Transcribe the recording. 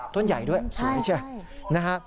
ต้นใหญ่ด้วยสวยใช่ไหม